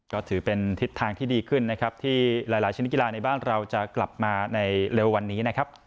ก็ถือเป็นทิศทางที่ดีขึ้นนะครับที่หลายชนิดกีฬาในบ้านเราจะกลับมาในเร็ววันนี้นะครับ